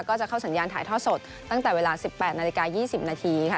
ก็จะเข้าสัญญาณถ่ายทอดสดตั้งแต่เวลา๑๘นาฬิกา๒๐นาทีค่ะ